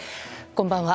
こんばんは。